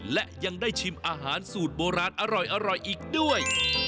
และยังได้ชิมอาหารสูตรโบราณอร่อยอีกด้วย